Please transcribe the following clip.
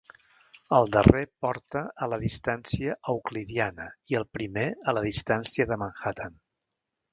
El darrer porta a la distància euclidiana i el primer a la distància de Manhattan.